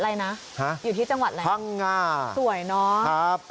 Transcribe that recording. อยู่ที่จังหวัดอะไรนะพังงาสวยเนอะ